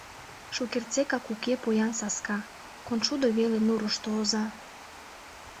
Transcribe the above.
Шукертсекак уке поян саска — Коншудо веле нурышто оза.